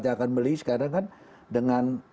yang akan beli sekarang kan dengan